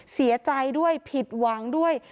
เสียใจด้วยผิดหวังด้วย